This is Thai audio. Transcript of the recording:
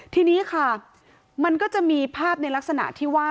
ทีนี้ค่ะมันก็จะมีภาพในลักษณะที่ว่า